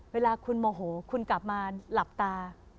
เวลาคุณโมโหคุณกลับมาหลับตา